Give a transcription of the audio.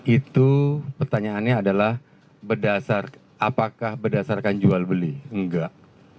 itu pertanyaannya adalah apakah berdasarkan jual beli enggak